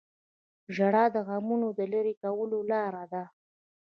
• ژړا د غمونو د لرې کولو لاره ده.